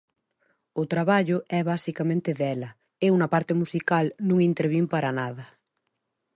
O traballo é basicamente dela, eu na parte musical non intervín para nada.